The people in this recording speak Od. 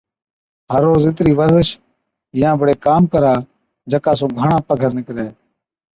هر روز اِترِي ورزش يان بڙي ڪام ڪرا جڪا سُون گھڻا پگھر نِڪرَي۔